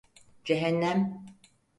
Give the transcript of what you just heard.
Cehennem.